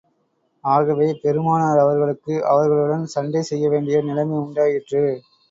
ஆகவே, பெருமானார் அவர்களுக்கு, அவர்களுடன் சண்டை செய்ய வேண்டிய நிலைமை உண்டாயிற்று.